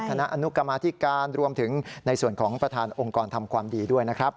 คณะอนุกรรมาธิการรวมถึงในส่วนของประธานองค์กรทำความดีด้วยนะครับ